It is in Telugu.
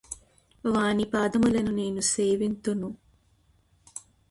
వాని పాదములను నేను సేవింతును